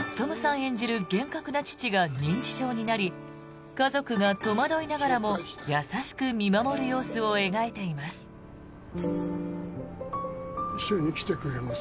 演じる厳格な父が認知症になり家族が戸惑いながらも優しく見守る様子を描いています。